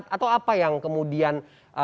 atau apa yang kemudian